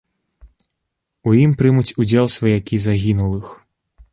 У ім прымуць удзел сваякі загінулых.